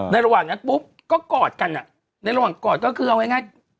ระหว่างนั้นปุ๊บก็กอดกันในระหว่างกอดก็คือเอาง่าย